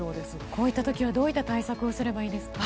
こういった時はどういった対策をすればいいですか？